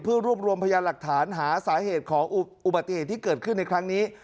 เพื่อรวบรวมพยานหลักฐานหาสาเหตุของอุบัติเหตุที่เกิดขึ้นในครั้งนี้